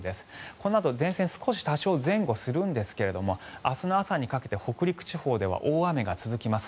このあと前線少し前後するんですが明日の朝にかけて北陸地方では大雨が続きます。